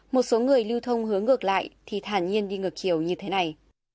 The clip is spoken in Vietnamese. một số người lưu thông hướng ngược lại thì thản nhiên đi ngược chiều như thế này